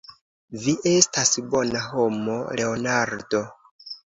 Vi estas bona homo, Leonardo.